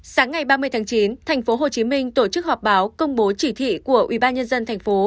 sáng ngày ba mươi tháng chín tp hcm tổ chức họp báo công bố chỉ thị của ubnd tp